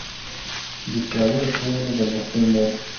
بې سوادي د ټولو بدبختیو مور ده.